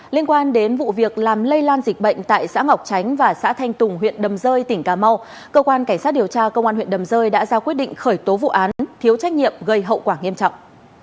liên quan đến vụ việc làm lây lan dịch bệnh tại xã ngọc tránh và xã thanh tùng huyện đầm rơi tỉnh cà mau cơ quan cảnh sát điều tra công an huyện đầm rơi đã ra quyết định khởi tố vụ án thiếu trách nhiệm gây hậu quả nghiêm trọng